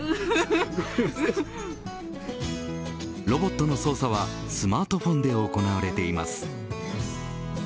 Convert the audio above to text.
ロボットの操作はスマートフォンで行われています。